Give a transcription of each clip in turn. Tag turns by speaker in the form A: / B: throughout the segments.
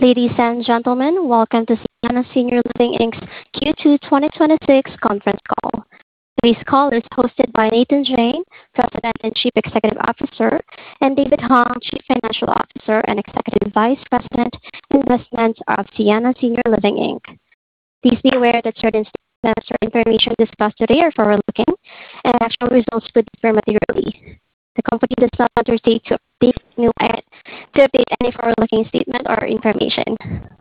A: Ladies and gentlemen, welcome to Sienna Senior Living Inc.'s Q2 2026 conference call. Today's call is hosted by Nitin Jain, President and Chief Executive Officer, and David Hung, Chief Financial Officer and Executive Vice President, Investments of Sienna Senior Living Inc. Please be aware that certain statements or information discussed today are forward-looking and actual results could differ materially. The company does not undertake to update any forward-looking statement or information.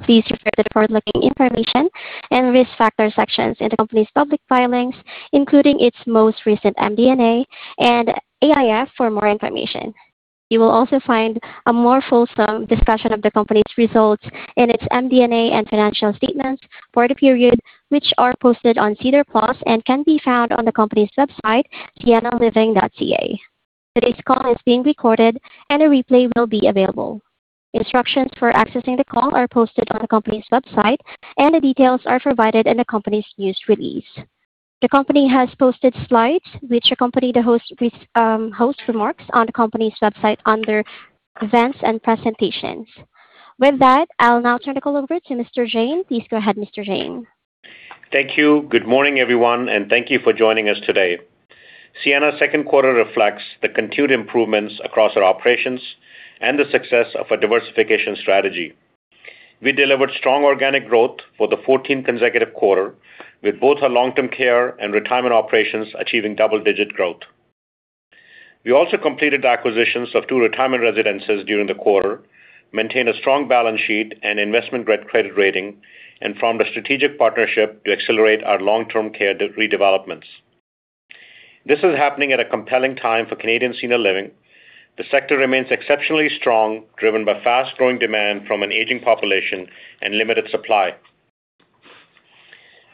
A: Please refer to the forward-looking information and risk factor sections in the company's public filings, including its most recent MD&A and AIF for more information. You will also find a more fulsome discussion of the company's results in its MD&A and financial statements for the period, which are posted on SEDAR+ and can be found on the company's website, siennaliving.ca. Today's call is being recorded, and a replay will be available. Instructions for accessing the call are posted on the company's website, and the details are provided in the company's news release. The company has posted slides which accompany the host remarks on the company's website under Events and Presentations. With that, I'll now turn the call over to Mr. Jain. Please go ahead, Mr. Jain.
B: Thank you. Good morning, everyone, and thank you for joining us today. Sienna's second quarter reflects the continued improvements across our operations and the success of our diversification strategy. We delivered strong organic growth for the 14th consecutive quarter with both our long-term care and retirement operations achieving double-digit growth. We also completed acquisitions of two retirement residences during the quarter, maintained a strong balance sheet and investment-grade credit rating, and formed a strategic partnership to accelerate our long-term care redevelopments. This is happening at a compelling time for Canadian senior living. The sector remains exceptionally strong, driven by fast-growing demand from an aging population and limited supply.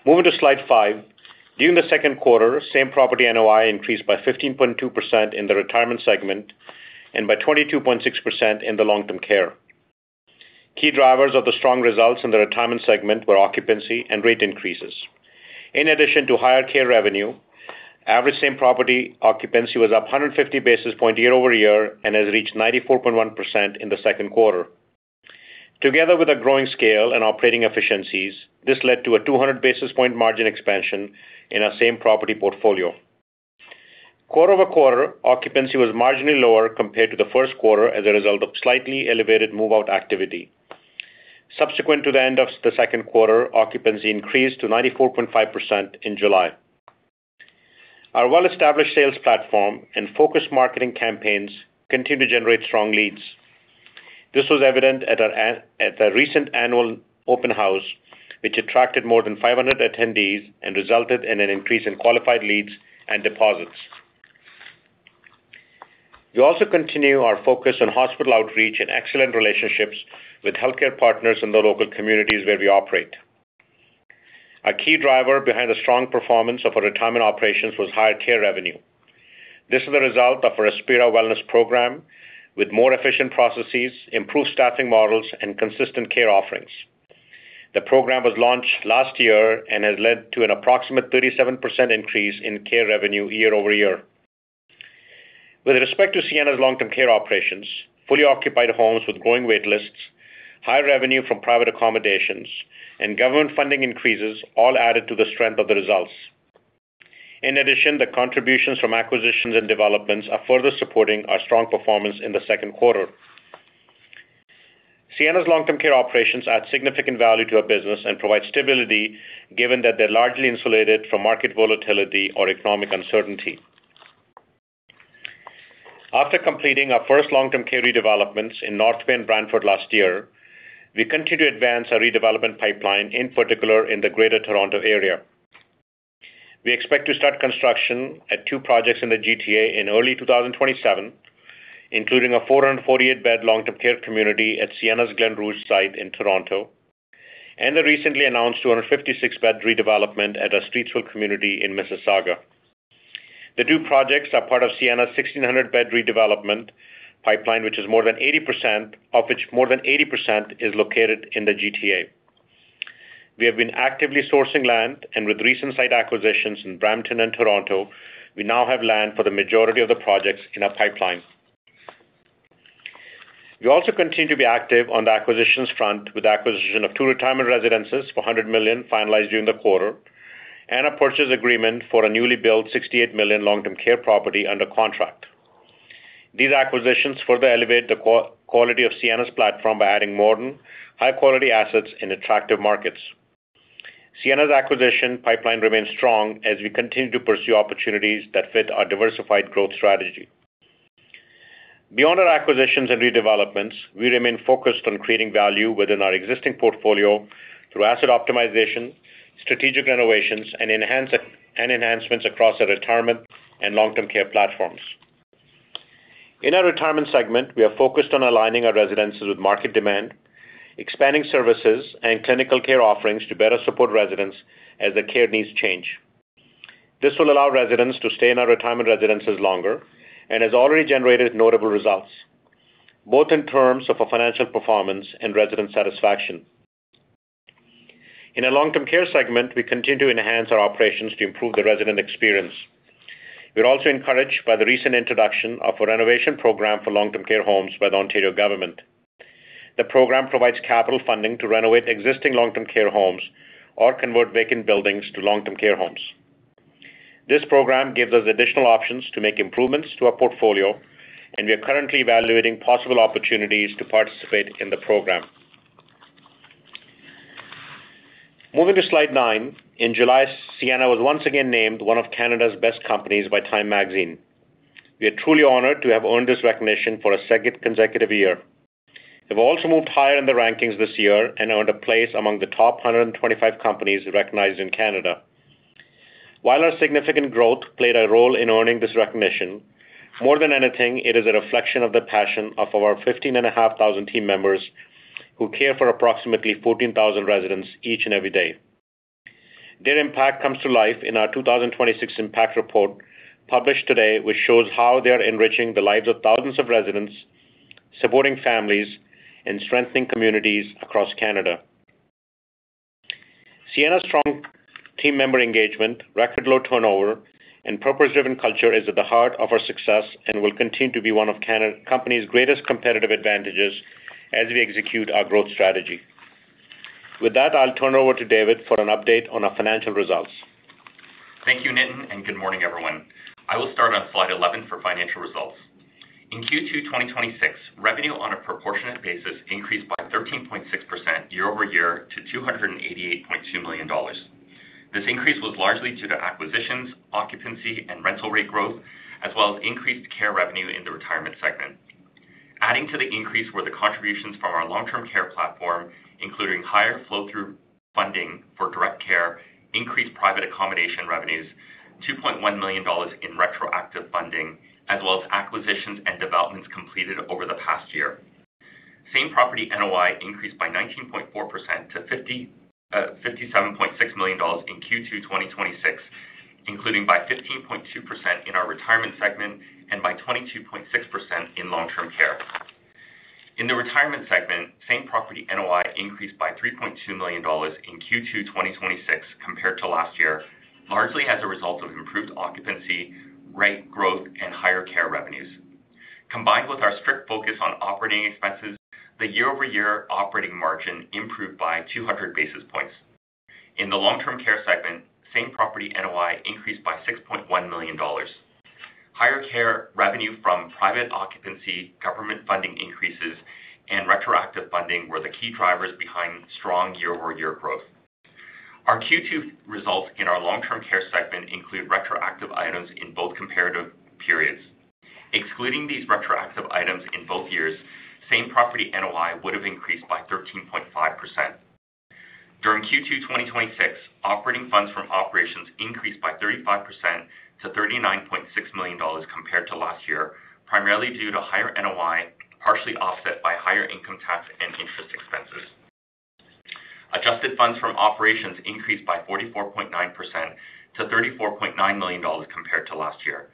B: Moving to slide five. During the second quarter, Same Property NOI increased by 15.2% in the retirement segment and by 22.6% in the long-term care. Key drivers of the strong results in the retirement segment were occupancy and rate increases. In addition to higher care revenue, average Same Property occupancy was up 150 basis points year-over-year and has reached 94.1% in the second quarter. Quarter-over-quarter, occupancy was marginally lower compared to the first quarter as a result of slightly elevated move-out activity. Subsequent to the end of the second quarter, occupancy increased to 94.5% in July. Our well-established sales platform and focused marketing campaigns continue to generate strong leads. This was evident at the recent annual open house, which attracted more than 500 attendees and resulted in an increase in qualified leads and deposits. We also continue our focus on hospital outreach and excellent relationships with healthcare partners in the local communities where we operate. A key driver behind the strong performance of our retirement operations was higher care revenue. This is a result of our Respira wellness program with more efficient processes, improved staffing models, and consistent care offerings. The program was launched last year and has led to an approximate 37% increase in care revenue year-over-year. With respect to Sienna's long-term care operations, fully occupied homes with growing wait lists, higher revenue from private accommodations, and government funding increases all added to the strength of the results. In addition, the contributions from acquisitions and developments are further supporting our strong performance in the second quarter. Sienna's long-term care operations add significant value to our business and provide stability given that they're largely insulated from market volatility or economic uncertainty. After completing our first long-term care redevelopments in North Bay and Brantford last year, we continue to advance our redevelopment pipeline, in particular in the Greater Toronto Area. We expect to start construction at two projects in the GTA in early 2027, including a 448-bed long-term care community at Sienna's Glen Rouge site in Toronto and the recently announced 256-bed redevelopment at our Streetsville community in Mississauga. The two projects are part of Sienna's 1,600-bed redevelopment pipeline, of which more than 80% is located in the GTA. We have been actively sourcing land, and with recent site acquisitions in Brampton and Toronto, we now have land for the majority of the projects in our pipeline. We also continue to be active on the acquisitions front with the acquisition of two retirement residences for 100 million finalized during the quarter and a purchase agreement for a newly built 68 million long-term care property under contract. These acquisitions further elevate the quality of Sienna's platform by adding modern, high-quality assets in attractive markets. Sienna's acquisition pipeline remains strong as we continue to pursue opportunities that fit our diversified growth strategy. Beyond our acquisitions and redevelopments, we remain focused on creating value within our existing portfolio through asset optimization, strategic renovations, and enhancements across our retirement and long-term care platforms. In our retirement segment, we are focused on aligning our residences with market demand, expanding services, and clinical care offerings to better support residents as their care needs change. This will allow residents to stay in our retirement residences longer and has already generated notable results, both in terms of our financial performance and resident satisfaction. In our long-term care segment, we continue to enhance our operations to improve the resident experience. We're also encouraged by the recent introduction of a renovation program for long-term care homes by the Ontario government. The program provides capital funding to renovate existing long-term care homes or convert vacant buildings to long-term care homes. This program gives us additional options to make improvements to our portfolio, and we are currently evaluating possible opportunities to participate in the program. Moving to slide nine, in July, Sienna was once again named one of Canada's best companies by TIME Magazine. We are truly honored to have earned this recognition for a second consecutive year. We've also moved higher in the rankings this year and earned a place among the top 125 companies recognized in Canada. While our significant growth played a role in earning this recognition, more than anything, it is a reflection of the passion of our 15,500 team members who care for approximately 14,000 residents each and every day. Their impact comes to life in our 2026 impact report, published today, which shows how they are enriching the lives of thousands of residents, supporting families, and strengthening communities across Canada. Sienna's strong team member engagement, record low turnover, and purpose-driven culture is at the heart of our success and will continue to be one of company's greatest competitive advantages as we execute our growth strategy. With that, I'll turn over to David for an update on our financial results.
C: Thank you, Nitin, and good morning, everyone. I will start on slide 11 for financial results. In Q2 2026, revenue on a proportionate basis increased by 13.6% year-over-year to 288.2 million dollars. This increase was largely due to acquisitions, occupancy, and rental rate growth, as well as increased care revenue in the retirement segment. Adding to the increase were the contributions from our long-term care platform, including higher flow-through funding for direct care, increased private accommodation revenues, 2.1 million dollars in retroactive funding, as well as acquisitions and developments completed over the past year. Same Property NOI increased by 19.4% to 57.6 million dollars in Q2 2026, including by 15.2% in our retirement segment and by 22.6% in long-term care. In the retirement segment, Same Property NOI increased by 3.2 million dollars in Q2 2026 compared to last year, largely as a result of improved occupancy, rate growth, and higher care revenues. Combined with our strict focus on operating expenses, the year-over-year operating margin improved by 200 basis points. In the long-term care segment, Same Property NOI increased by 6.1 million dollars. Higher care revenue from private occupancy, government funding increases, and retroactive funding were the key drivers behind strong year-over-year growth. Our Q2 results in our long-term care segment include retroactive items in both comparative periods. Excluding these retroactive items in both years, Same Property NOI would have increased by 13.5%. During Q2 2026, operating funds from operations increased by 35% to 39.6 million dollars compared to last year, primarily due to higher NOI, partially offset by higher income tax and interest expenses. Adjusted funds from operations increased by 44.9% to 34.9 million dollars compared to last year.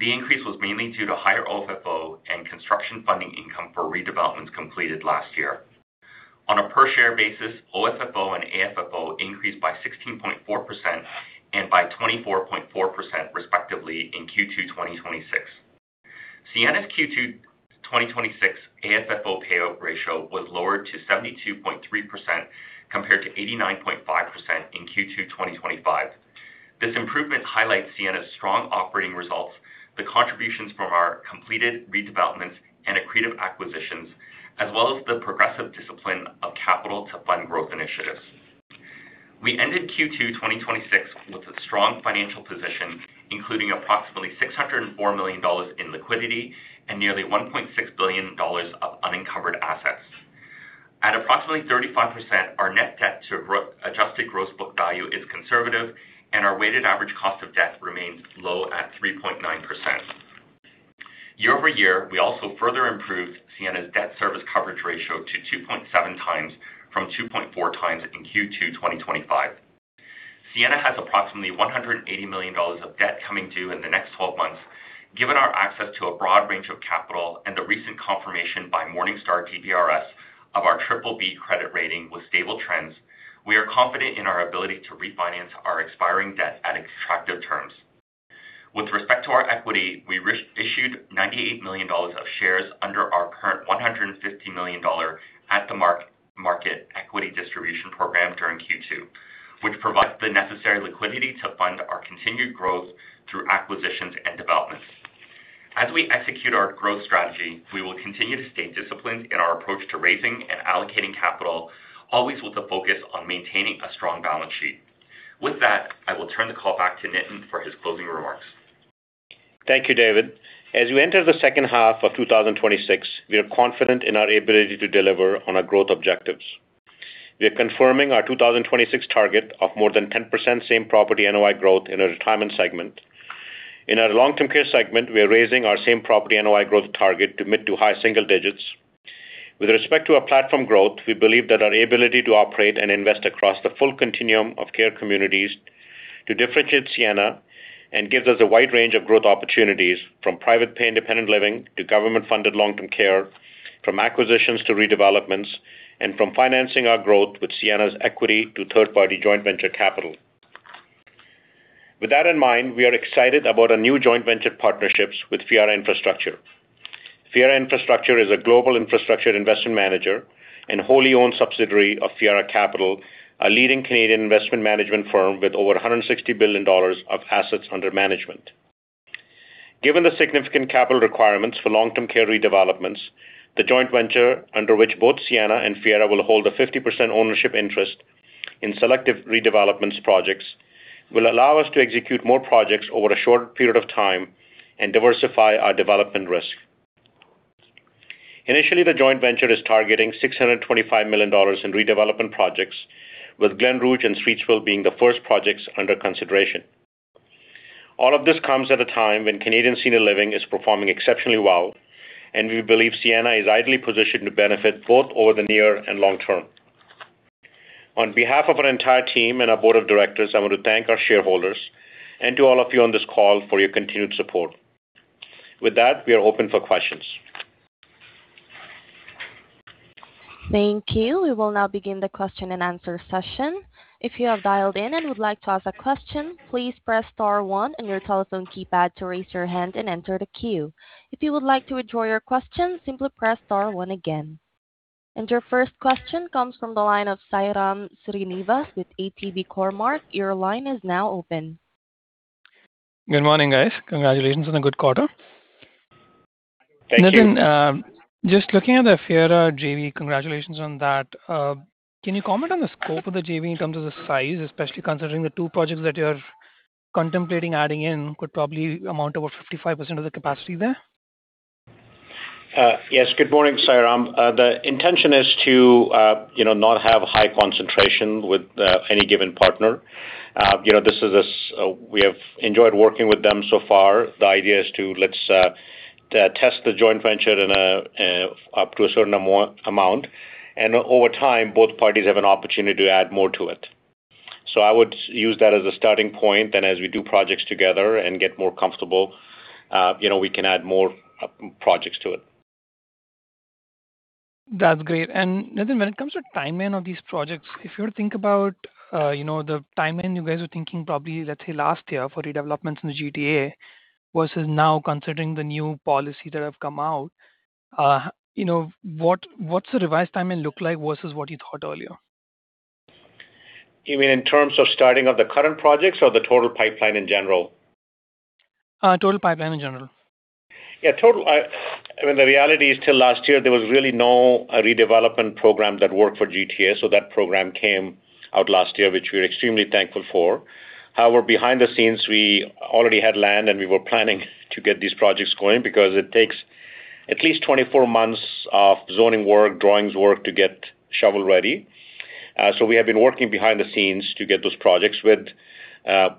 C: The increase was mainly due to higher OFFO and construction funding income for redevelopments completed last year. On a per share basis, OFFO and AFFO increased by 16.4% and by 24.4% respectively in Q2 2026. Sienna's Q2 2026 AFFO payout ratio was lowered to 72.3% compared to 89.5% in Q2 2025. This improvement highlights Sienna's strong operating results, the contributions from our completed redevelopments and accretive acquisitions, as well as the progressive discipline of capital to fund growth initiatives. We ended Q2 2026 with a strong financial position, including approximately 604 million dollars in liquidity and nearly 1.6 billion dollars of unencumbered assets. At approximately 35%, our net debt to adjusted gross book value is conservative, and our weighted average cost of debt remains low at 3.9%. Year-over-year, we also further improved Sienna's debt service coverage ratio to 2.7x from 2.4x in Q2 2025. Sienna has approximately 180 million dollars of debt coming due in the next 12 months. Given our access to a broad range of capital and the recent confirmation by Morningstar DBRS of our BBB credit rating with stable trends, we are confident in our ability to refinance our expiring debt at attractive terms. With respect to our equity, we issued 98 million dollars of shares under our current 150 million dollar at-the-market equity distribution program during Q2, which provides the necessary liquidity to fund our continued growth through acquisitions and developments. As we execute our growth strategy, we will continue to stay disciplined in our approach to raising and allocating capital, always with a focus on maintaining a strong balance sheet. With that, I will turn the call back to Nitin for his closing remarks.
B: Thank you, David. As we enter the second half of 2026, we are confident in our ability to deliver on our growth objectives. We are confirming our 2026 target of more than 10% Same Property NOI growth in our retirement segment. In our long-term care segment, we are raising our Same Property NOI growth target to mid to high single digits. With respect to our platform growth, we believe that our ability to operate and invest across the full continuum of care communities to differentiate Sienna and gives us a wide range of growth opportunities from private pay independent living to government-funded long-term care, from acquisitions to redevelopments, and from financing our growth with Sienna's equity to third-party joint venture capital. With that in mind, we are excited about our new joint venture partnerships with Fiera Infrastructure. Fiera Infrastructure is a global infrastructure investment manager and wholly owned subsidiary of Fiera Capital, a leading Canadian investment management firm with over 160 billion dollars of assets under management. Given the significant capital requirements for long-term care redevelopments, the joint venture under which both Sienna and Fiera will hold a 50% ownership interest in selective redevelopments projects, will allow us to execute more projects over a short period of time and diversify our development risk. Initially, the joint venture is targeting 625 million dollars in redevelopment projects, with Glen Rouge and Streetsville being the first projects under consideration. All of this comes at a time when Canadian Senior Living is performing exceptionally well, and we believe Sienna is ideally positioned to benefit both over the near and long term. On behalf of our entire team and our board of directors, I want to thank our shareholders and to all of you on this call for your continued support. With that, we are open for questions.
A: Thank you. We will now begin the question and answer session. If you have dialed in and would like to ask a question, please press star one on your telephone keypad to raise your hand and enter the queue. If you would like to withdraw your question, simply press star one again. Your first question comes from the line of Sairam Srinivas with Cormark Securities. Your line is now open.
D: Good morning, guys. Congratulations on a good quarter.
B: Thank you.
D: Nitin, just looking at the Fiera JV, congratulations on that. Can you comment on the scope of the JV in terms of the size, especially considering the two projects that you're contemplating adding in could probably amount to about 55% of the capacity there?
B: Yes. Good morning, Sairam. The intention is to not have high concentration with any given partner. We have enjoyed working with them so far. The idea is to, let's test the joint venture up to a certain amount, and over time, both parties have an opportunity to add more to it. I would use that as a starting point, then as we do projects together and get more comfortable, we can add more projects to it.
D: That's great. Nitin, when it comes to timing of these projects, if you think about the timing you guys were thinking probably let's say last year for redevelopments in the GTA, versus now considering the new policy that have come out, what's the revised timing look like versus what you thought earlier?
B: You mean in terms of starting of the current projects or the total pipeline in general?
D: Total pipeline in general.
B: Yeah. The reality is till last year, there was really no redevelopment program that worked for GTA. That program came out last year, which we're extremely thankful for. However, behind the scenes, we already had land and we were planning to get these projects going because it takes at least 24 months of zoning work, drawings work to get shovel-ready. We have been working behind the scenes to get those projects with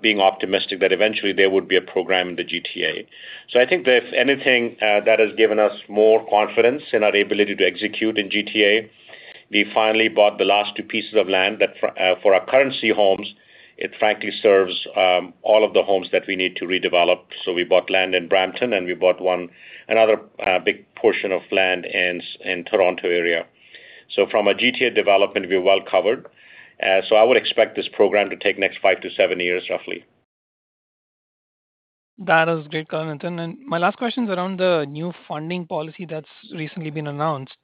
B: being optimistic that eventually there would be a program in the GTA. I think that if anything, that has given us more confidence in our ability to execute in GTA. We finally bought the last two pieces of land that for our C homes, it frankly serves all of the homes that we need to redevelop. We bought land in Brampton, and we bought another big portion of land in Toronto area. From a GTA development, we're well covered. I would expect this program to take next five to seven years, roughly.
D: That is great comment. My last question is around the new funding policy that's recently been announced.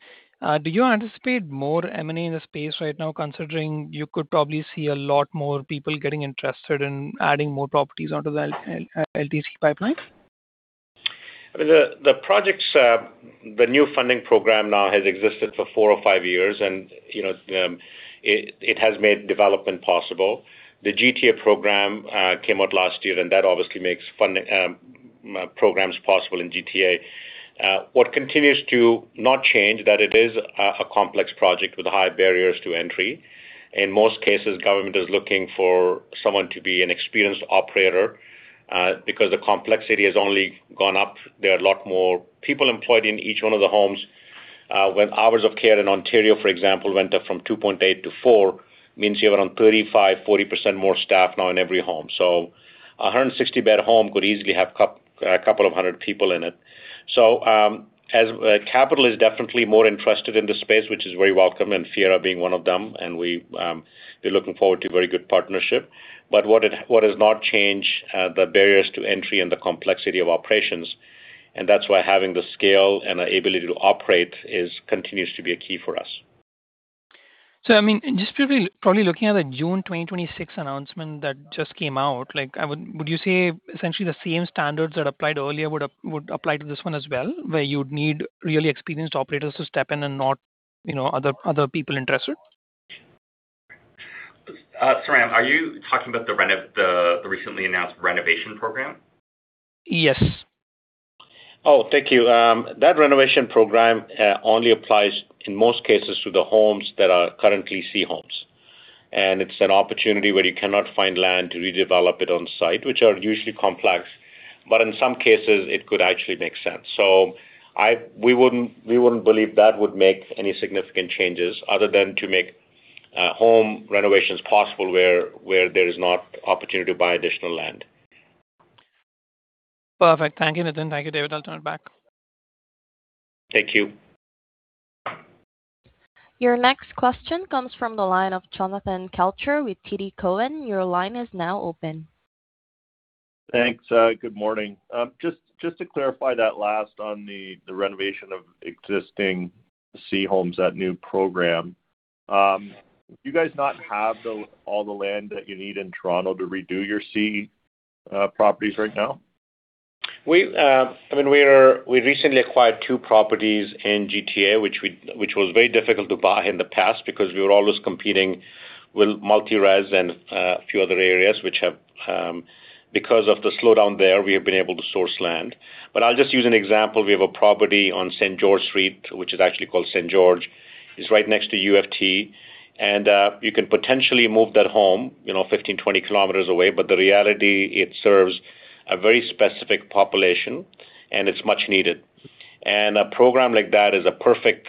D: Do you anticipate more M&A in the space right now, considering you could probably see a lot more people getting interested in adding more properties onto the LTC pipeline?
B: The new funding program now has existed for four or five years, and it has made development possible. The GTA program came out last year, and that obviously makes programs possible in GTA. What continues to not change that it is a complex project with high barriers to entry. In most cases, government is looking for someone to be an experienced operator, because the complexity has only gone up. There are a lot more people employed in each one of the homes. When hours of care in Ontario, for example, went up from 2.8-4, means you have around 35%-40% more staff now in every home. 160-bed home could easily have a couple of hundred people in it. Capital is definitely more interested in the space, which is very welcome, and Fiera being one of them, and we're looking forward to a very good partnership. What has not changed, the barriers to entry and the complexity of operations. That's why having the scale and the ability to operate continues to be a key for us.
D: I mean, just probably looking at the June 2026 announcement that just came out, would you say essentially the same standards that applied earlier would apply to this one as well, where you'd need really experienced operators to step in and not other people interested?
B: Sairam, are you talking about the recently announced renovation program?
D: Yes.
B: Oh, thank you. That renovation program only applies in most cases to the homes that are currently C homes. It's an opportunity where you cannot find land to redevelop it on-site, which are usually complex. In some cases, it could actually make sense. We wouldn't believe that would make any significant changes other than to make home renovations possible where there is not opportunity to buy additional land.
D: Perfect. Thank you, Nitin. Thank you, David. I'll turn it back.
B: Thank you.
A: Your next question comes from the line of Jonathan Kelcher with TD Cowen. Your line is now open.
E: Thanks. Good morning. Just to clarify that last on the renovation of existing C homes, that new program. Do you guys not have all the land that you need in Toronto to redo your C properties right now?
B: We recently acquired two properties in GTA, which was very difficult to buy in the past because we were always competing with multi-res and a few other areas, which have, because of the slowdown there, we have been able to source land. I'll just use an example. We have a property on St. George Street, which is actually called St. George. It is right next to U of T, and you can potentially move that home 15, 20 km away. The reality, it serves a very specific population, and it is much needed. A program like that is a perfect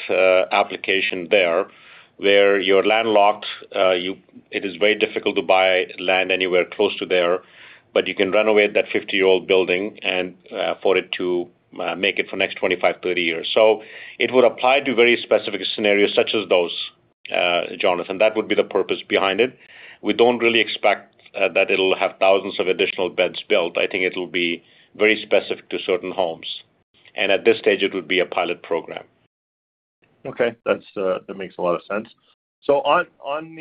B: application there, where you are landlocked. It is very difficult to buy land anywhere close to there, but you can renovate that 50-year-old building for it to make it for next 25, 30 years. It would apply to very specific scenarios such as those, Jonathan. That would be the purpose behind it. We don't really expect that it'll have thousands of additional beds built. I think it'll be very specific to certain homes, and at this stage, it would be a pilot program.
E: Okay. That makes a lot of sense. On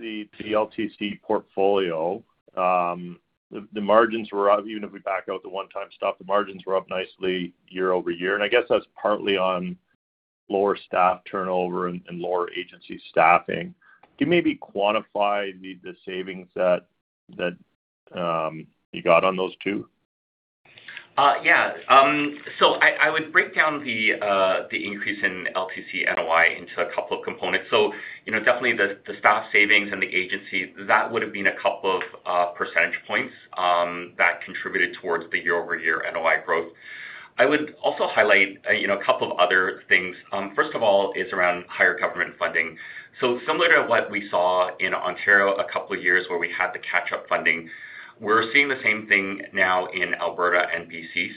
E: the LTC portfolio, the margins were up. Even if we back out the one-time stuff, the margins were up nicely year-over-year, and I guess that's partly on lower staff turnover and lower agency staffing. Can you maybe quantify the savings that you got on those two?
C: Yeah. I would break down the increase in LTC NOI into a couple of components. Definitely the staff savings and the agency, that would have been a couple of percentage points that contributed towards the year-over-year NOI growth. I would also highlight a couple of other things. First of all, it's around higher government funding. Similar to what we saw in Ontario a couple of years where we had the catch-up funding, we are seeing the same thing now in Alberta and BC.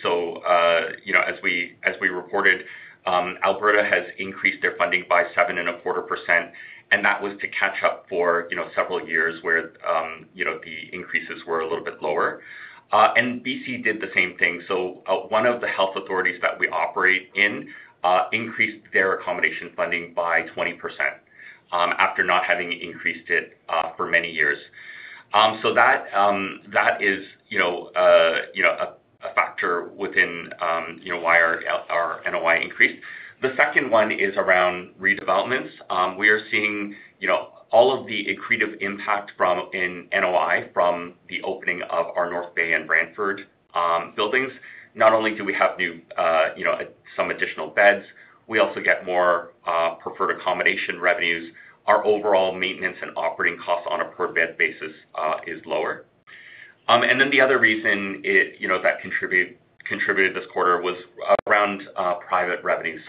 C: As we reported, Alberta has increased their funding by seven and a quarter percent, and that was to catch up for several years where the increases were a little bit lower. BC did the same thing. One of the health authorities that we operate in increased their accommodation funding by 20% after not having increased it for many years. That is a factor within why our NOI increased. The second one is around redevelopments. We are seeing all of the accretive impact in NOI from the opening of our North Bay and Brantford buildings. Not only do we have some additional beds, we also get more preferred accommodation revenues. Our overall maintenance and operating costs on a per-bed basis is lower. The other reason that contributed this quarter was around private revenue.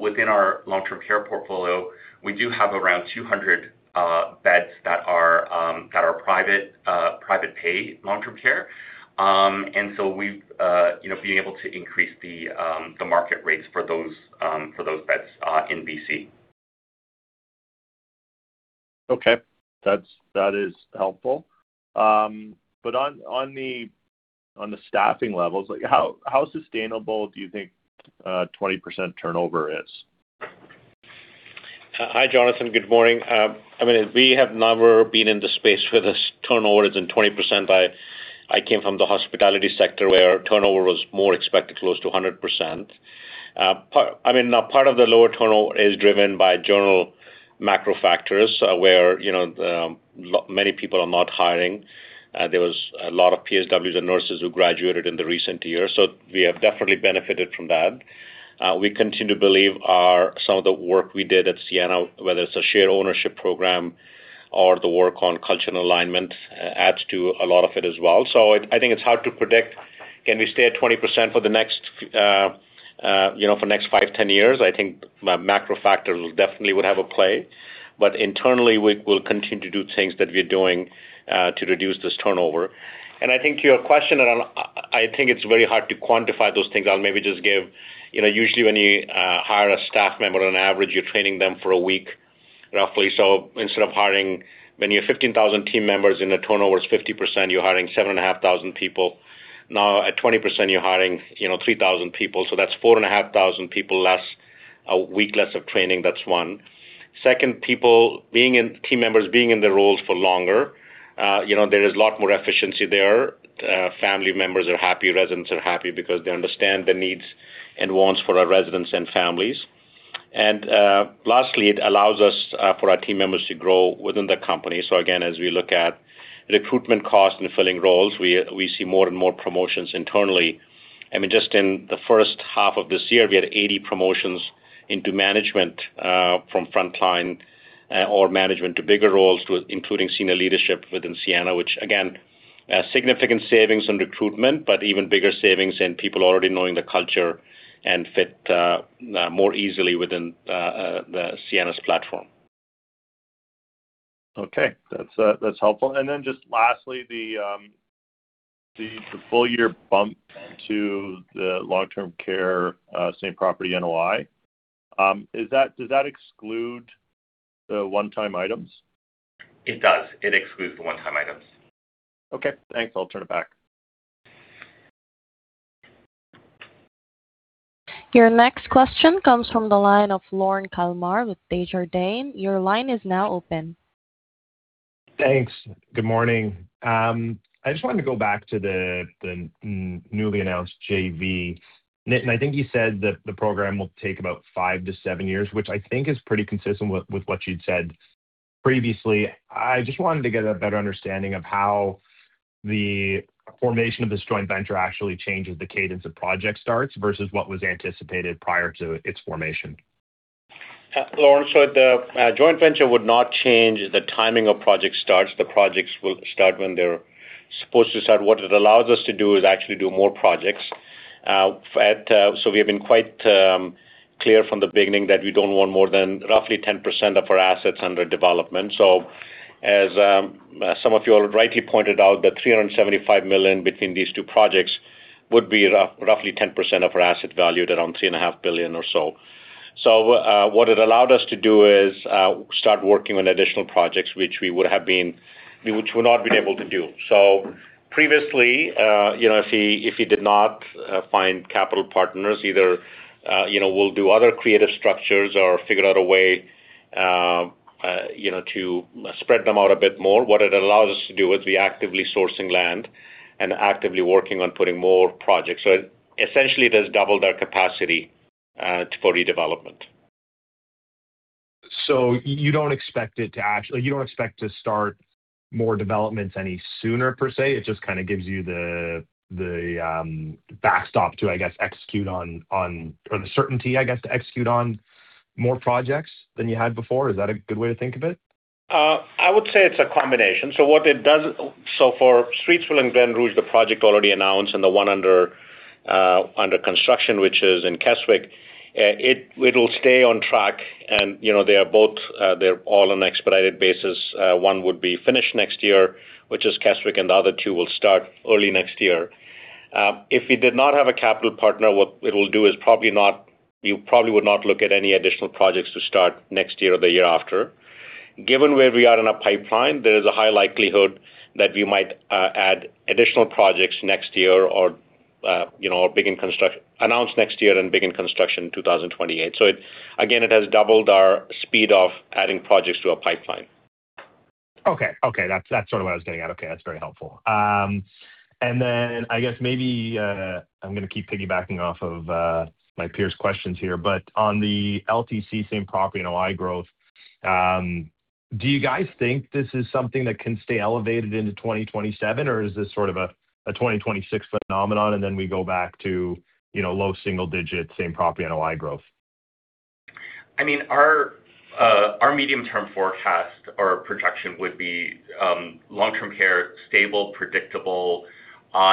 C: Within our long-term care portfolio, we do have around 200 beds that are private paid long-term care. We've been able to increase the market rates for those beds in BC.
E: Okay. That is helpful. On the staffing levels, how sustainable do you think 20% turnover is?
B: Hi, Jonathan. Good morning. We have never been in the space where the turnover is in 20%. I came from the hospitality sector where turnover was more expected, close to 100%. Part of the lower turnover is driven by general macro factors, where many people are not hiring. There was a lot of PSWs and nurses who graduated in the recent years, we have definitely benefited from that. We continue to believe some of the work we did at Sienna, whether it's a shared ownership program or the work on cultural alignment, adds to a lot of it as well. I think it's hard to predict. Can we stay at 20% for the next five, 10 years? I think macro factors definitely would have a play. Internally, we will continue to do things that we're doing to reduce this turnover. I think to your question, I think it's very hard to quantify those things. I'll maybe just give, usually when you hire a staff member, on average, you're training them for a week, roughly. Instead of hiring, when you have 15,000 team members and the turnover is 50%, you're hiring 7,500 people. Now at 20%, you're hiring 3,000 people. That's 4,500 people less, a week less of training. That's one. Second, team members being in their roles for longer. There is a lot more efficiency there. Family members are happy, residents are happy because they understand the needs and wants for our residents and families. Lastly, it allows for our team members to grow within the company. Again, as we look at recruitment costs and filling roles, we see more and more promotions internally. Just in the first half of this year, we had 80 promotions into management from frontline or management to bigger roles, including senior leadership within Sienna, which again, significant savings on recruitment, but even bigger savings in people already knowing the culture and fit more easily within Sienna's platform.
E: Okay. That's helpful. Just lastly, the full year bump to the long-term care, Same Property NOI, does that exclude the one-time items?
B: It does. It excludes the one-time items.
E: Okay, thanks. I'll turn it back.
A: Your next question comes from the line of Lorne Kalmar with Desjardins. Your line is now open.
F: Thanks. Good morning. I just wanted to go back to the newly announced JV. Nitin, I think you said that the program will take about five to seven years, which I think is pretty consistent with what you'd said previously. I just wanted to get a better understanding of how the formation of this joint venture actually changes the cadence of project starts versus what was anticipated prior to its formation.
B: Lorne, the joint venture would not change the timing of project starts. The projects will start when they're supposed to start. What it allows us to do is actually do more projects. We have been quite clear from the beginning that we don't want more than roughly 10% of our assets under development. As some of you rightly pointed out, 375 million between these two projects would be roughly 10% of our asset value at around 3.5 billion or so. What it allowed us to do is start working on additional projects, which we would not have been able to do. Previously, if we did not find capital partners, either we'll do other creative structures or figure out a way to spread them out a bit more. What it allows us to do is we're actively sourcing land and actively working on putting more projects. Essentially, it has doubled our capacity for redevelopment.
F: You don't expect to start more developments any sooner, per se. It just kind of gives you the backstop to, I guess, execute on, or the certainty, I guess, to execute on more projects than you had before. Is that a good way to think of it?
B: I would say it's a combination. For Streetsville and Glen Rouge, the project already announced and the one under construction, which is in Keswick it'll stay on track and they're all on an expedited basis. One would be finished next year, which is Keswick, and the other two will start early next year. If we did not have a capital partner, what it'll do is you probably would not look at any additional projects to start next year or the year after. Given where we are in our pipeline, there is a high likelihood that we might add additional projects next year, or announce next year and begin construction in 2028. Again, it has doubled our speed of adding projects to our pipeline.
F: Okay. That's sort of what I was getting at. Okay, that's very helpful. I guess maybe I'm going to keep piggybacking off of my peers' questions here, but on the LTC Same Property NOI growth, do you guys think this is something that can stay elevated into 2027, or is this sort of a 2026 phenomenon and then we go back to low single digit Same Property NOI growth?
B: Our medium-term forecast or projection would be long-term care, stable, predictable.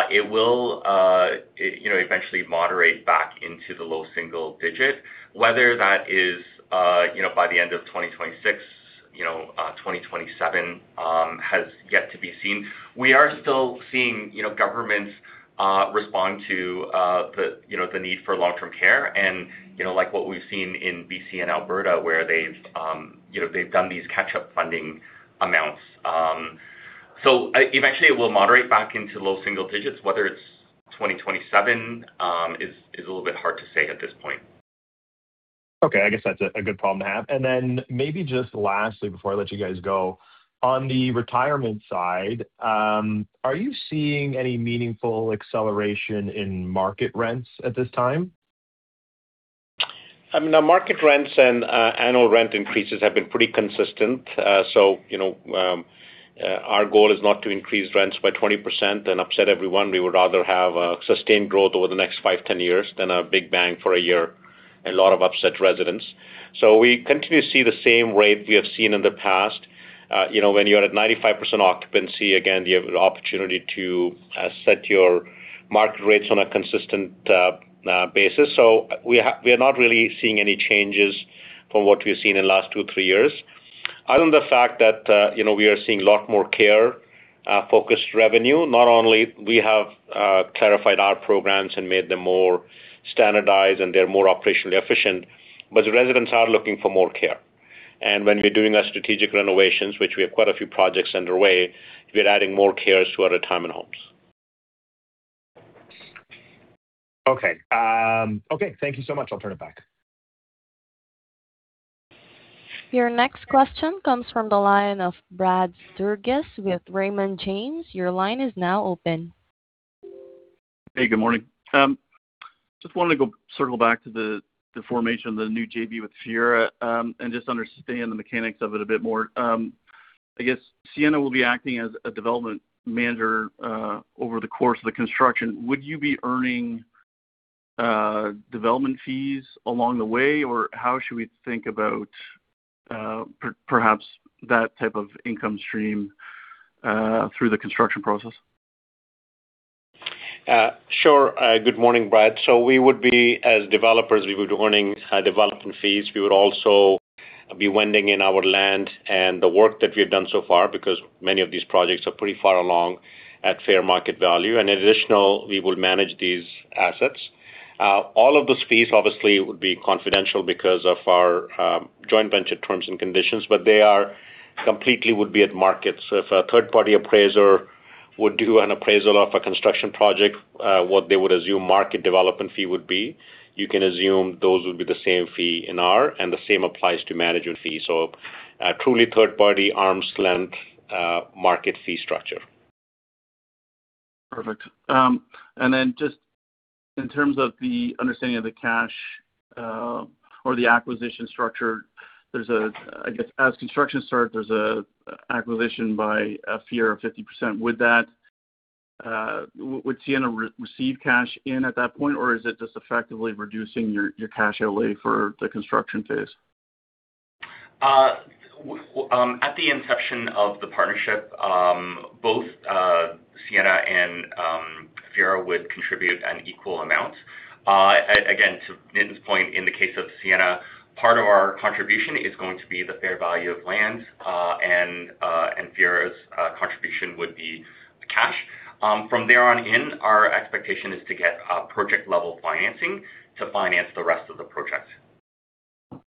B: It will eventually moderate back into the low single digit, whether that is by the end of 2026, 2027 has yet to be seen. We are still seeing governments respond to the need for long-term care and like what we've seen in BC and Alberta, where they've done these catch-up funding amounts. Eventually it will moderate back into low single digits, whether it's 2027, is a little bit hard to say at this point.
F: Okay. I guess that's a good problem to have. Maybe just lastly before I let you guys go, on the retirement side, are you seeing any meaningful acceleration in market rents at this time?
B: Market rents and annual rent increases have been pretty consistent. Our goal is not to increase rents by 20% and upset everyone. We would rather have sustained growth over the next five, 10 years than a big bang for a year, a lot of upset residents. We continue to see the same rate we have seen in the past. When you're at 95% occupancy, again, you have the opportunity to set your market rates on a consistent basis. We are not really seeing any changes from what we've seen in the last two, three years. Other than the fact that we are seeing a lot more care-focused revenue. Not only we have clarified our programs and made them more standardized and they're more operationally efficient, but the residents are looking for more care. When we're doing our strategic renovations, which we have quite a few projects underway, we're adding more cares to our retirement homes.
F: Okay. Thank you so much. I'll turn it back.
A: Your next question comes from the line of Brad Sturges with Raymond James. Your line is now open.
G: Hey, good morning. Just wanted to circle back to the formation of the new JV with Fiera, understand the mechanics of it a bit more. I guess Sienna will be acting as a development manager over the course of the construction. Would you be earning development fees along the way? Or how should we think about perhaps that type of income stream through the construction process?
B: Sure. Good morning, Brad. As developers, we would be earning development fees. We would also be wending in our land and the work that we've done so far, because many of these projects are pretty far along, at fair market value. Additionally, we would manage these assets. All of those fees obviously would be confidential because of our joint venture terms and conditions, but they completely would be at market. If a third-party appraiser would do an appraisal of a construction project, what they would assume market development fee would be, you can assume those would be the same fee. The same applies to management fees. A truly third-party arm's-length, market fee structure.
G: Perfect. Then just in terms of the understanding of the cash, or the acquisition structure, I guess as construction starts, there's an acquisition by Fiera of 50%. Would Sienna receive cash in at that point, or is it just effectively reducing your cash outlay for the construction phase?
C: At the inception of the partnership, both Sienna and Fiera would contribute an equal amount. Again, to Nitin's point, in the case of Sienna, part of our contribution is going to be the fair value of land, and Fiera's contribution would be cash. From there on in, our expectation is to get project-level financing to finance the rest of the project.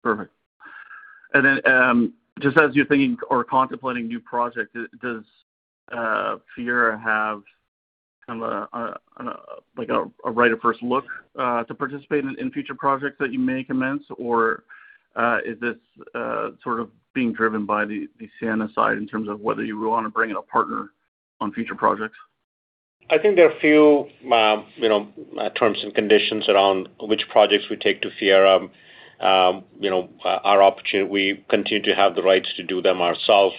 G: Perfect. Just as you're thinking or contemplating new projects, does Fiera have a right of first look to participate in future projects that you may commence? Or is this sort of being driven by the Sienna side in terms of whether you want to bring in a partner on future projects?
B: I think there are a few terms and conditions around which projects we take to Fiera. Our opportunity, we continue to have the rights to do them ourselves.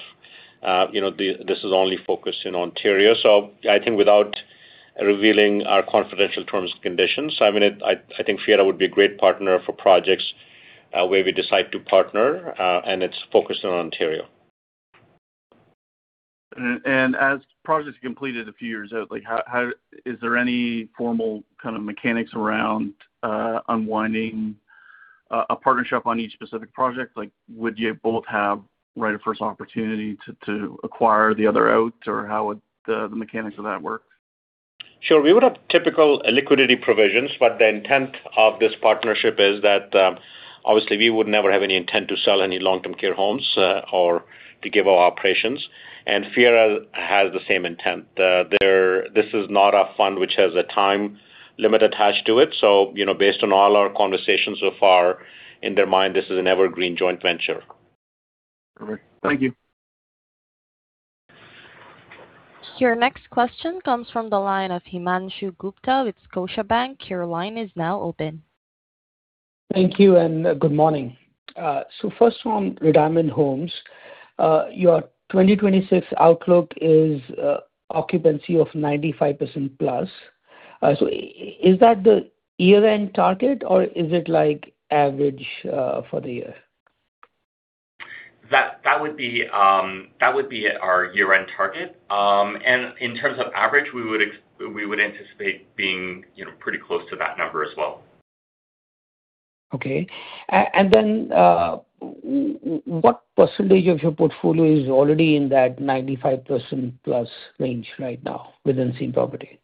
B: This is only focused in Ontario. Without revealing our confidential terms and conditions, I think Fiera would be a great partner for projects where we decide to partner, and it's focused on Ontario.
G: As projects are completed a few years out, is there any formal kind of mechanics around unwinding a partnership on each specific project? Would you both have right of first opportunity to acquire the other out, or how would the mechanics of that work?
B: Sure. We would have typical liquidity provisions, but the intent of this partnership is that, obviously we would never have any intent to sell any long-term care homes or to give our operations, and Fiera has the same intent. This is not a fund which has a time limit attached to it. Based on all our conversations so far, in their mind, this is an evergreen joint venture.
G: Perfect. Thank you.
A: Your next question comes from the line of Himanshu Gupta with Scotiabank. Your line is now open.
H: Thank you, and good morning. First one, retirement homes. Your 2026 outlook is occupancy of 95%+. Is that the year-end target, or is it average for the year?
C: That would be our year-end target, in terms of average, we would anticipate being pretty close to that number as well.
H: Okay. What % of your portfolio is already in that 95%+ range right now within Same Property?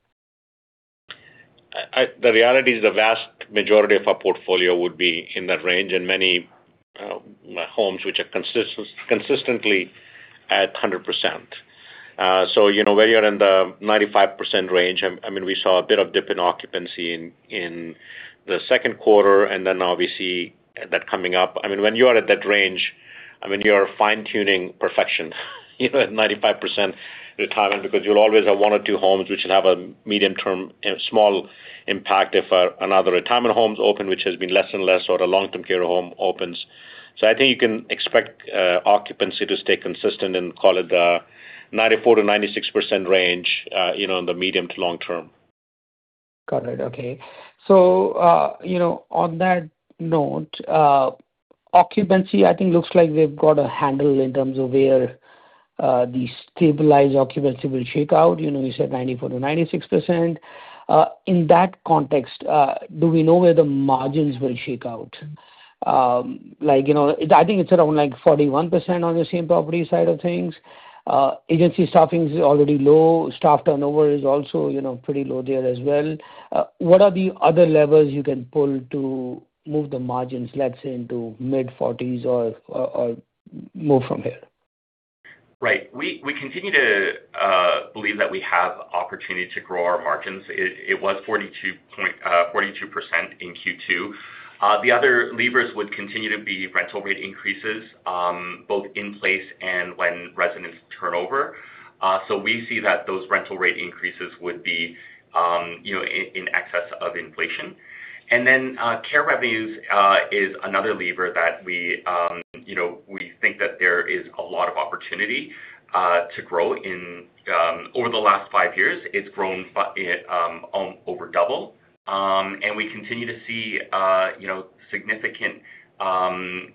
B: The reality is the vast majority of our portfolio would be in that range, many homes which are consistently at 100%. Where you're in the 95% range, we saw a bit of dip in occupancy in the second quarter then obviously that coming up. When you are at that range, you are fine-tuning perfection at 95% retirement, because you'll always have one or two homes which will have a medium-term, small impact if another retirement home's open, which has been less and less, or a long-term care home opens. I think you can expect occupancy to stay consistent in, call it the 94%-96% range, in the medium to long term.
H: Got it. Okay. On that note, occupancy, I think, looks like they've got a handle in terms of where the stabilized occupancy will shake out. You said 94%-96%. In that context, do we know where the margins will shake out? I think it's around 41% on the Same Property side of things. Agency staffing is already low. Staff turnover is also pretty low there as well. What are the other levers you can pull to move the margins, let's say into mid-forties or more from here?
C: Right. We continue to believe that we have opportunity to grow our margins. It was 42% in Q2. The other levers would continue to be rental rate increases, both in place and when residents turn over. We see that those rental rate increases would be in excess of inflation. Care revenues is another lever that we think that there is a lot of opportunity to grow. Over the last five years, it's grown over double. We continue to see significant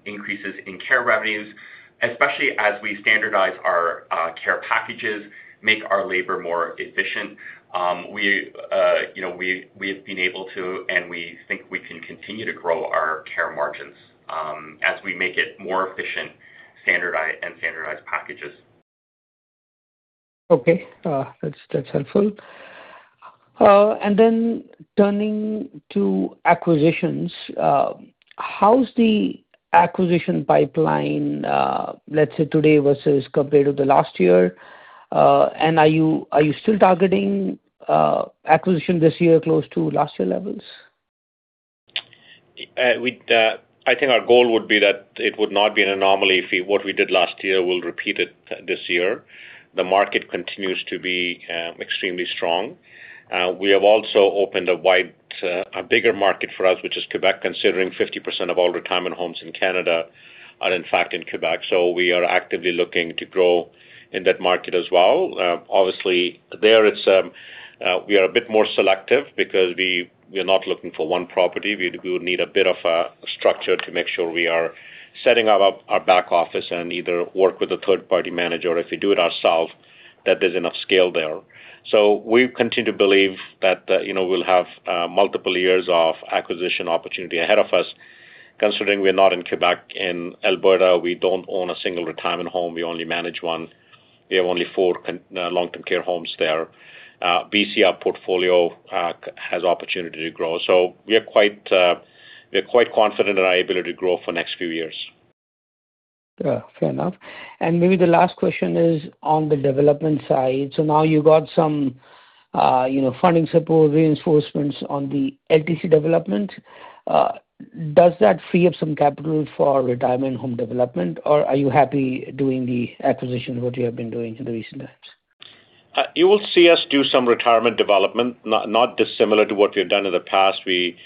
C: increases in care revenues, especially as we standardize our care packages, make our labor more efficient. We've been able to, and we think we can continue to grow our care margins as we make it more efficient and standardize packages.
H: Okay. That's helpful. Turning to acquisitions, how's the acquisition pipeline, let's say today versus compared to the last year? Are you still targeting acquisition this year close to last year levels?
B: I think our goal would be that it would not be an anomaly if what we did last year, we'll repeat it this year. The market continues to be extremely strong. We have also opened a bigger market for us, which is Quebec, considering 50% of all retirement homes in Canada are in fact in Quebec. We are actively looking to grow in that market as well. Obviously, there we are a bit more selective because we are not looking for one property. We would need a bit of a structure to make sure we are setting up our back office and either work with a third party manager or if we do it ourself, that there's enough scale there. We continue to believe that we'll have multiple years of acquisition opportunity ahead of us considering we're not in Quebec. In Alberta, we don't own a single retirement home. We only manage one. We have only four long-term care homes there. BC, our portfolio has opportunity to grow. We are quite confident in our ability to grow for next few years.
H: fair enough. Maybe the last question is on the development side. Now you got some funding support, reinforcements on the LTC development. Does that free up some capital for retirement home development, or are you happy doing the acquisition, what you have been doing in the recent times?
B: You will see us do some retirement development, not dissimilar to what we've done in the past. We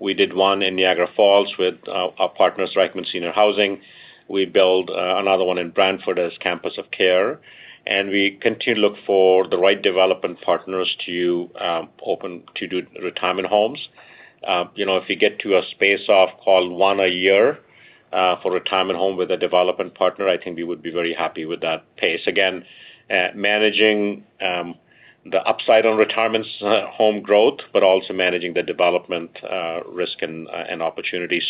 B: did one in Niagara Falls with our partners, Reichmann Senior Housing. We build another one in Brantford as Campus of Care, we continue to look for the right development partners to do retirement homes. If we get to a space of one a year for retirement home with a development partner, I think we would be very happy with that pace. Again, managing the upside on retirement home growth, but also managing the development risk and opportunity.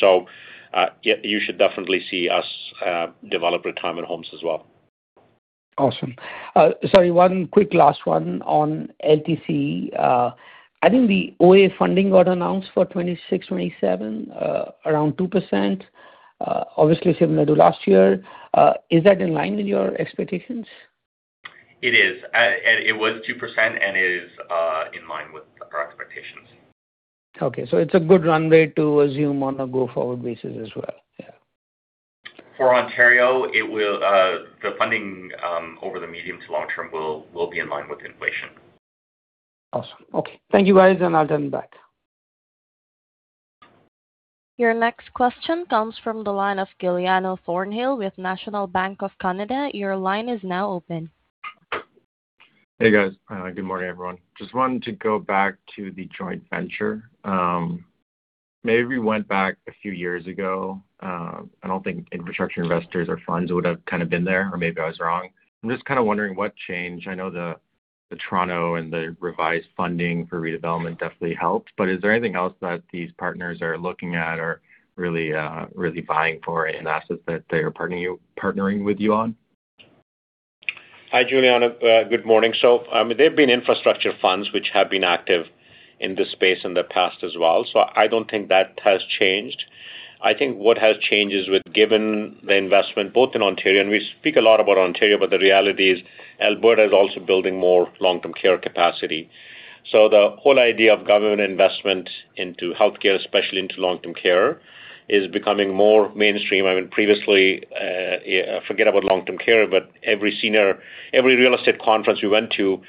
B: You should definitely see us develop retirement homes as well.
H: Awesome. Sorry, one quick last one on LTC. I think the OA funding got announced for 2026, 2027, around 2%. Obviously similar to last year. Is that in line with your expectations?
C: It is. It was 2% is in line with our expectations.
H: Okay, it's a good runway to assume on a go-forward basis as well. Yeah.
C: For Ontario, the funding over the medium to long term will be in line with inflation.
H: Awesome. Okay. Thank you guys, I'll turn back.
A: Your next question comes from the line of Giuliano Thornhill with National Bank of Canada. Your line is now open.
I: Hey, guys. Good morning, everyone. Just wanted to go back to the joint venture. Maybe we went back a few years ago. I don't think infrastructure investors or funds would have kind of been there, or maybe I was wrong. I'm just kind of wondering what changed. I know the Toronto and the revised funding for redevelopment definitely helped. Is there anything else that these partners are looking at or really vying for in assets that they are partnering with you on?
B: Hi, Giuliano. Good morning. There have been infrastructure funds which have been active in this space in the past as well. I don't think that has changed. I think what has changed is with given the investment both in Ontario, and we speak a lot about Ontario, but the reality is Alberta is also building more long-term care capacity. The whole idea of government investment into healthcare, especially into long-term care, is becoming more mainstream. I mean, previously, forget about long-term care, but every real estate conference we went to,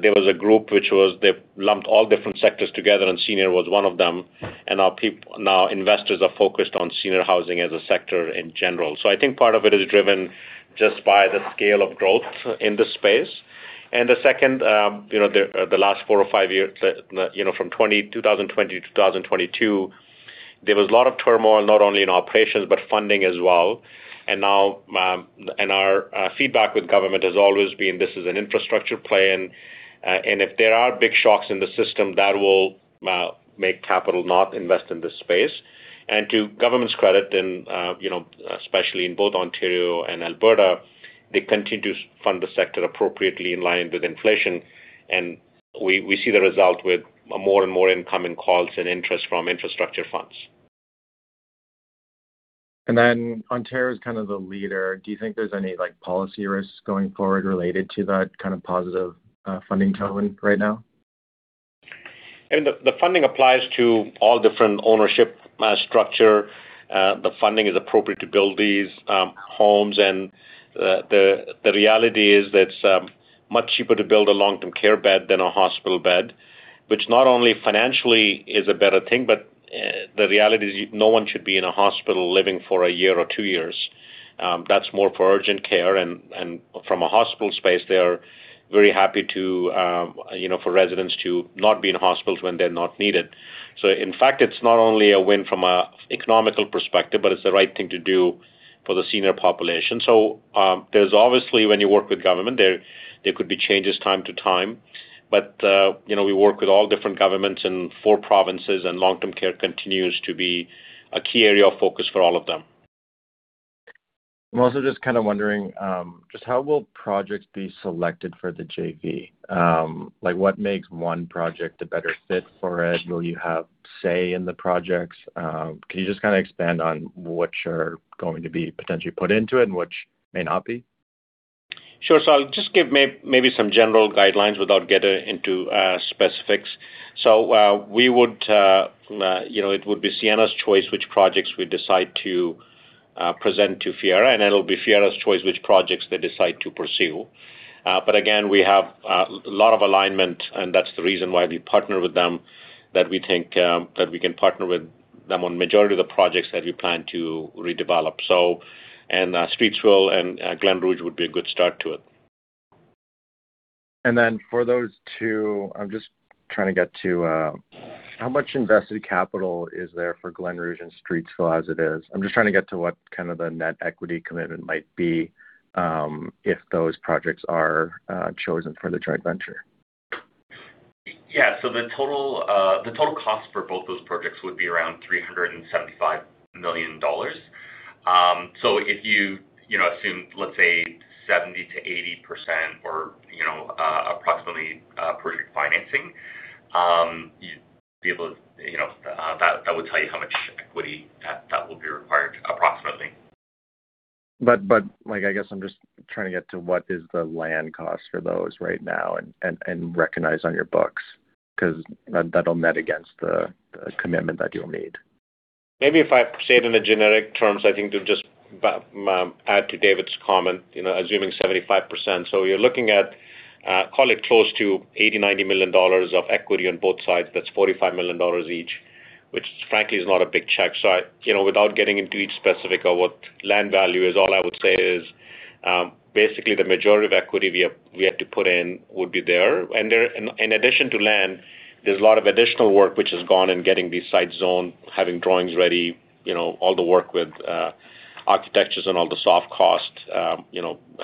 B: there was a group which they lumped all different sectors together, and senior was one of them. Now investors are focused on senior housing as a sector in general. I think part of it is driven just by the scale of growth in this space. The second, the last four or five years, from 2020 to 2022, there was a lot of turmoil, not only in operations, but funding as well. Our feedback with government has always been, this is an infrastructure play, and if there are big shocks in the system, that will make capital not invest in this space. To government's credit, and especially in both Ontario and Alberta, they continue to fund the sector appropriately in line with inflation, and we see the result with more and more incoming calls and interest from infrastructure funds.
I: Ontario is kind of the leader. Do you think there's any policy risks going forward related to that kind of positive funding tone right now?
B: The funding applies to all different ownership structure. The funding is appropriate to build these homes, and the reality is that it's much cheaper to build a long-term care bed than a hospital bed, which not only financially is a better thing, but the reality is no one should be in a hospital living for a year or two years. That's more for urgent care. From a hospital space, they are very happy for residents to not be in hospitals when they're not needed. In fact, it's not only a win from an economical perspective, but it's the right thing to do for the senior population. There's obviously, when you work with government, there could be changes time to time. We work with all different governments in four provinces, and long-term care continues to be a key area of focus for all of them.
I: I'm also just kind of wondering, just how will projects be selected for the JV? What makes one project a better fit for it? Will you have say in the projects? Can you just expand on which are going to be potentially put into it and which may not be?
B: Sure. I'll just give maybe some general guidelines without getting into specifics. It would be Sienna's choice which projects we decide to present to Fiera, and it'll be Fiera's choice which projects they decide to pursue. Again, we have a lot of alignment, and that's the reason why we partner with them, that we think that we can partner with them on majority of the projects that we plan to redevelop. Streetsville and Glen Rouge would be a good start to it.
I: For those two, I'm just trying to get to how much invested capital is there for Glen Rouge and Streetsville as it is. I'm just trying to get to what kind of the net equity commitment might be, if those projects are chosen for the joint venture.
C: The total cost for both those projects would be around 375 million dollars. If you assume, let's say, 70%-80% or approximately project financing, that would tell you how much equity that will be required approximately.
I: I guess I'm just trying to get to what is the land cost for those right now and recognized on your books, because that'll net against the commitment that you'll need.
B: Maybe if I say it in the generic terms, I think to just add to David's comment, assuming 75%. You're looking at, call it close to 80 million, 90 million dollars of equity on both sides. That's 45 million dollars each, which frankly is not a big check. Without getting into each specific of what land value is, all I would say is basically the majority of equity we have to put in would be there. In addition to land, there's a lot of additional work which has gone in getting these sites zoned, having drawings ready, all the work with architectures and all the soft cost,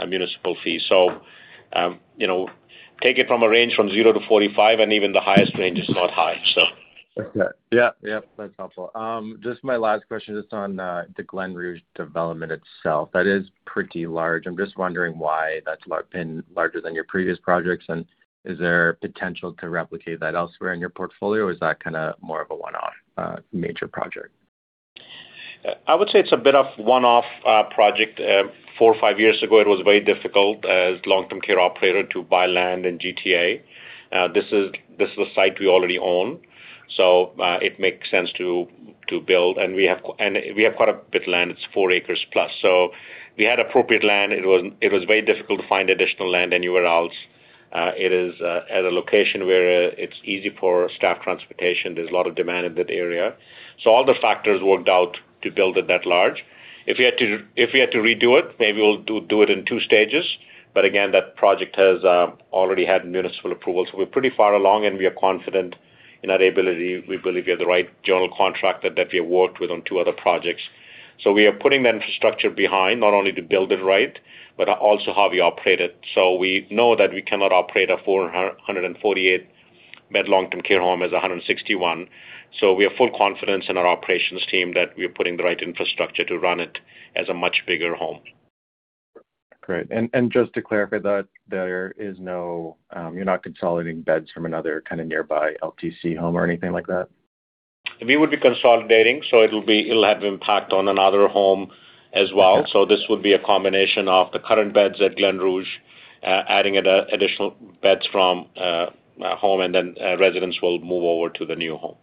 B: municipal fees. Take it from a range from zero to 45, and even the highest range is not high.
I: That's helpful. Just my last question, just on the Glen Rouge development itself, that is pretty large. I'm just wondering why that's been larger than your previous projects, and is there potential to replicate that elsewhere in your portfolio, or is that kind of more of a one-off major project?
B: I would say it's a bit of one-off project. four or five years ago, it was very difficult as long-term care operator to buy land in GTA. This is a site we already own, it makes sense to build. We have quite a bit of land. It's four acres plus. We had appropriate land. It was very difficult to find additional land anywhere else. It is at a location where it's easy for staff transportation. There's a lot of demand in that area. All the factors worked out to build it that large. If we had to redo it, maybe we'll do it in two stages. Again, that project has already had municipal approval. We're pretty far along, and we are confident in that ability. We believe we have the right general contractor that we have worked with on two other projects. We are putting that infrastructure behind, not only to build it right, but also how we operate it. We know that we cannot operate a 448-bed long-term care home as 161. We have full confidence in our operations team that we are putting the right infrastructure to run it as a much bigger home.
I: Great. Just to clarify, you're not consolidating beds from another kind of nearby LTC home or anything like that?
B: We would be consolidating, so it'll have impact on another home as well.
I: Okay.
B: This would be a combination of the current beds at Glen Rouge, adding additional beds from home, and then residents will move over to the new home.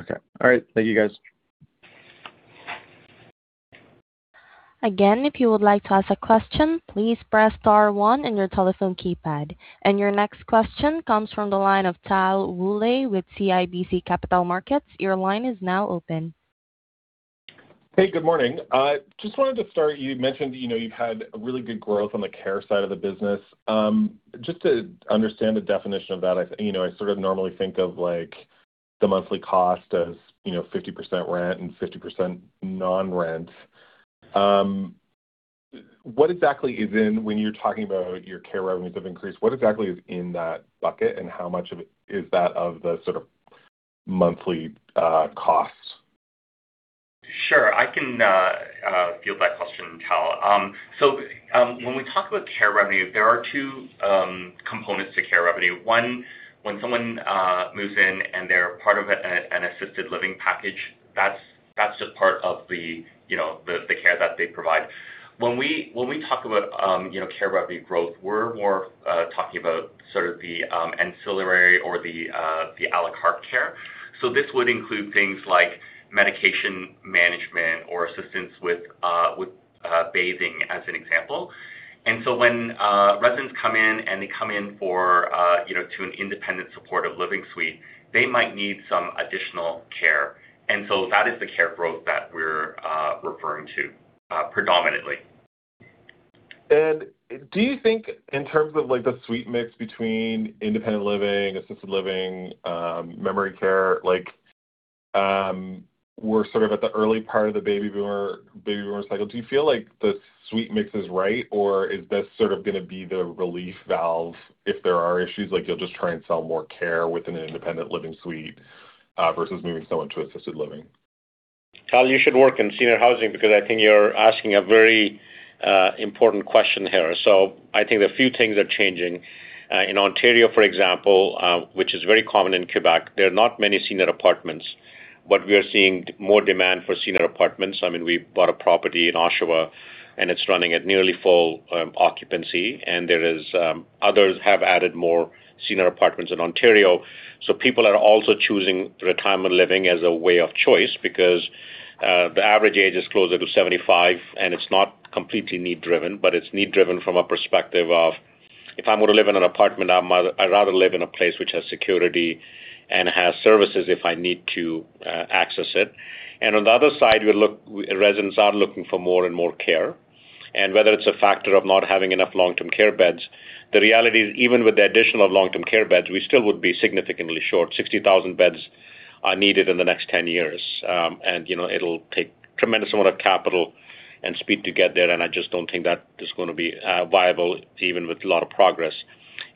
I: Okay. All right. Thank you, guys.
A: Again, if you would like to ask a question, please press star one on your telephone keypad. Your next question comes from the line of Tal Woolley with CIBC Capital Markets. Your line is now open.
J: Hey, good morning. Just wanted to start, you mentioned you've had really good growth on the care side of the business. Just to understand the definition of that, I sort of normally think of the monthly cost as 50% rent and 50% non-rent. When you're talking about your care revenues have increased, what exactly is in that bucket, and how much of it is that of the sort of monthly costs?
C: Sure. I can field that question, Tal. When we talk about care revenue, there are two components to care revenue. One, when someone moves in and they're part of an assisted living package, that's just part of the care that they provide. When we talk about care revenue growth, we're more talking about sort of the ancillary or the a la carte care. This would include things like medication management or assistance with bathing, as an example. When residents come in and they come in to an independent supportive living suite, they might need some additional care. That is the care growth that we're referring to predominantly.
J: Do you think in terms of the suite mix between independent living, assisted living, memory care, we're sort of at the early part of the baby boomer cycle. Do you feel like the suite mix is right, or is this sort of going to be the relief valve? If there are issues, you'll just try and sell more care within an independent living suite, versus moving someone to assisted living.
B: Tal, you should work in senior housing because I think you're asking a very important question here. I think a few things are changing. In Ontario, for example, which is very common in Quebec, there are not many senior apartments, but we are seeing more demand for senior apartments. We bought a property in Oshawa and it's running at nearly full occupancy, and others have added more senior apartments in Ontario. People are also choosing retirement living as a way of choice because the average age is closer to 75, and it's not completely need-driven, but it's need-driven from a perspective of, if I'm going to live in an apartment, I'd rather live in a place which has security and has services if I need to access it. On the other side, residents are looking for more and more care. Whether it's a factor of not having enough long-term care beds, the reality is even with the addition of long-term care beds, we still would be significantly short. 60,000 beds are needed in the next 10 years. It'll take tremendous amount of capital and speed to get there. I just don't think that is going to be viable, even with a lot of progress.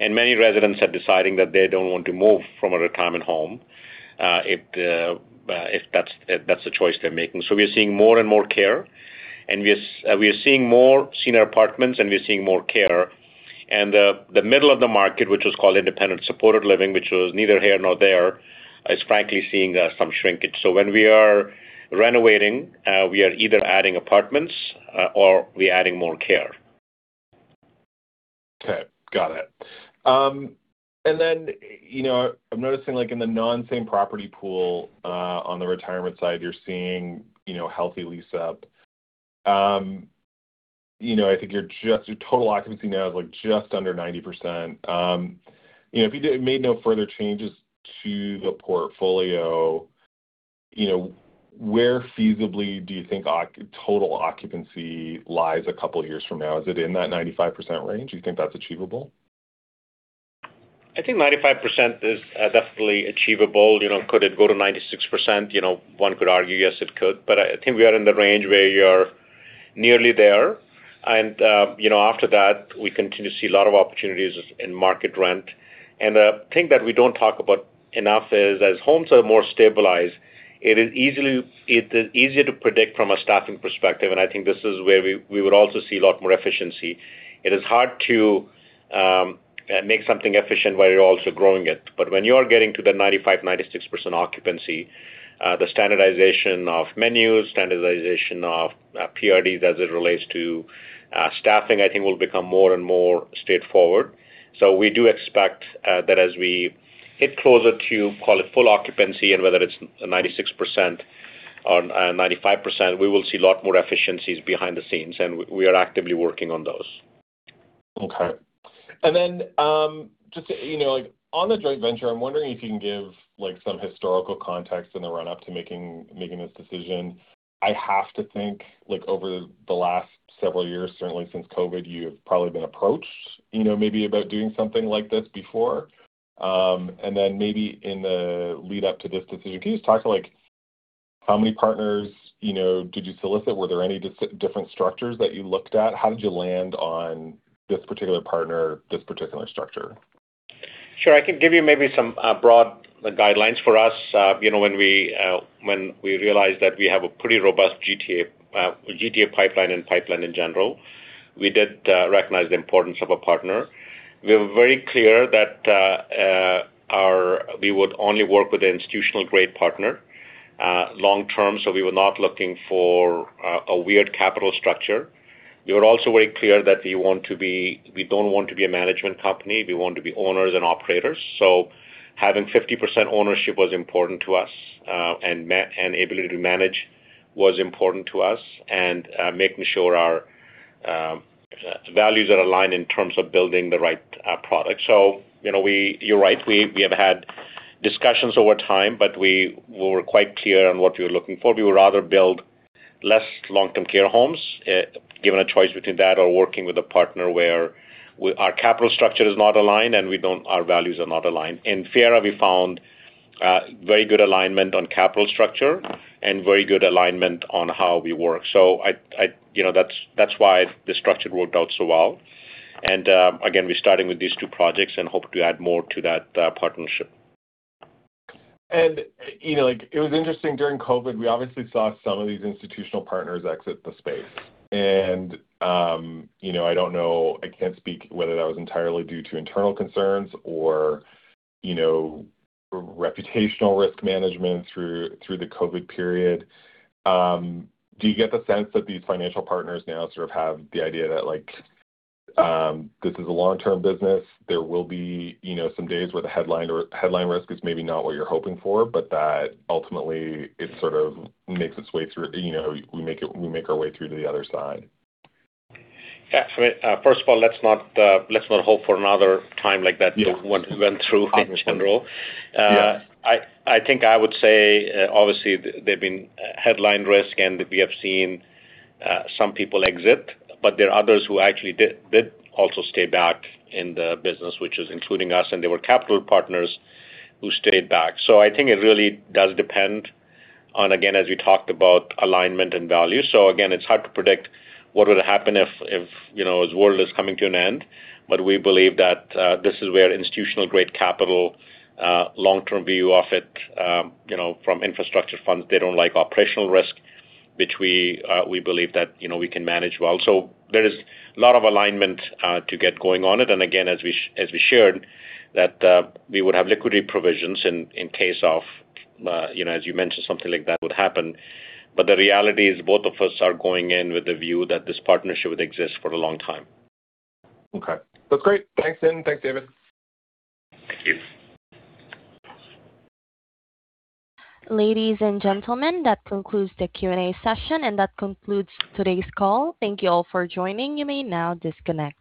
B: Many residents are deciding that they don't want to move from a retirement home. That's the choice they're making. We are seeing more and more care, and we are seeing more senior apartments, and we are seeing more care. The middle of the market, which was called independent supported living, which was neither here nor there, is frankly seeing some shrinkage. When we are renovating, we are either adding apartments or we adding more care.
J: Okay. Got it. I'm noticing in the non-Same Property pool, on the retirement side, you're seeing healthy lease-up. I think your total occupancy now is just under 90%. If you made no further changes to the portfolio, where feasibly do you think total occupancy lies a couple of years from now? Is it in that 95% range? Do you think that's achievable?
B: I think 95% is definitely achievable. Could it go to 96%? One could argue, yes, it could. I think we are in the range where you are nearly there. After that, we continue to see a lot of opportunities in market rent. The thing that we don't talk about enough is as homes are more stabilized, it is easier to predict from a staffing perspective, and I think this is where we would also see a lot more efficiency. It is hard to make something efficient while you're also growing it. When you are getting to the 95%, 96% occupancy, the standardization of menus, standardization of HPRD as it relates to staffing, I think, will become more and more straightforward. We do expect that as we hit closer to, call it, full occupancy, and whether it's 96% or 95%, we will see a lot more efficiencies behind the scenes, and we are actively working on those.
J: Okay. On the joint venture, I'm wondering if you can give some historical context in the run-up to making this decision. I have to think over the last several years, certainly since COVID, you have probably been approached maybe about doing something like this before. Maybe in the lead-up to this decision, can you just talk to how many partners did you solicit? Were there any different structures that you looked at? How did you land on this particular partner, this particular structure?
B: Sure. I can give you maybe some broad guidelines for us. When we realized that we have a pretty robust GTA pipeline and pipeline in general, we did recognize the importance of a partner. We were very clear that we would only work with an institutional-grade partner long-term, we were not looking for a weird capital structure. We were also very clear that we don't want to be a management company. We want to be owners and operators. Having 50% ownership was important to us, and ability to manage was important to us, and making sure our values are aligned in terms of building the right product. You're right. We have had discussions over time, but we were quite clear on what we were looking for. We would rather build less long-term care homes, given a choice between that or working with a partner where our capital structure is not aligned and our values are not aligned. In Fiera, we found very good alignment on capital structure and very good alignment on how we work. That's why the structure worked out so well. Again, we're starting with these two projects and hope to add more to that partnership.
J: It was interesting during COVID, we obviously saw some of these institutional partners exit the space, and I don't know, I can't speak whether that was entirely due to internal concerns or reputational risk management through the COVID period. Do you get the sense that these financial partners now sort of have the idea that this is a long-term business? There will be some days where the headline risk is maybe not what you're hoping for, but that ultimately, it sort of makes its way through. We make our way through to the other side.
B: Yeah. First of all, let's not hope for another time like that what we went through in general.
J: Yeah.
B: I think I would say, obviously, there've been headline risk, and we have seen some people exit, but there are others who actually did also stay back in the business, which is including us, and they were capital partners who stayed back. I think it really does depend on, again, as we talked about alignment and value. Again, it's hard to predict what would happen if this world is coming to an end. We believe that this is where institutional-grade capital, long-term view of it from infrastructure funds. They don't like operational risk, which we believe that we can manage well. There is a lot of alignment to get going on it. Again, as we shared, that we would have liquidity provisions in case of, as you mentioned, something like that would happen. The reality is both of us are going in with the view that this partnership would exist for a long time.
J: Okay. That's great. Thanks, Nitin. Thanks, David.
B: Thank you.
A: Ladies and gentlemen, that concludes the Q&A session. That concludes today's call. Thank you all for joining. You may now disconnect.